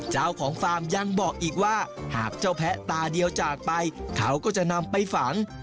เจ้าของฟาร์มยังบอกอีกว่าหากเจ้าแพะตาเดียวจากไปเขาก็จะนำไปฝัง